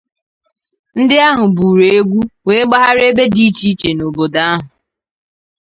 Ndị ahụ bùùrù egwu wee gbagharịa ebe dị iche iche n'obodo ahụ